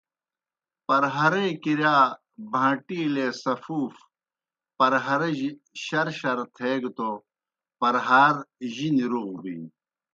پرہارے کِرِیا بَھان٘ٹِیلے سفوف پرہارِجیْ شَرشَر تھیگہ توْ پرہار جِنیْ روغ بِینیْ۔